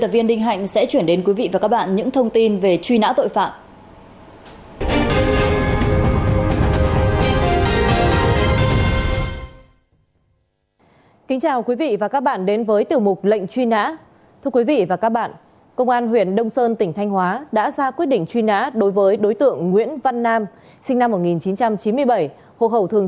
tiếp theo biên tập viên đinh hạnh sẽ chuyển đến quý vị và các bạn